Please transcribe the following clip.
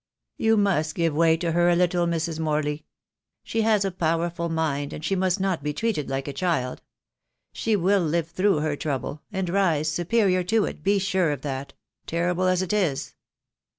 "You must give way to her a little, Mrs. Morley. She has a powerful mind, and she must not be treated like a child. She will live through her trouble, and rise superior to it, be sure of that; terrible as it is."